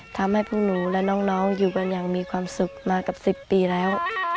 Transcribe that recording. ทำให้พวกหนูและน้องอยู่กันอย่างมีความสุขมากับ๑๐ปีแล้ว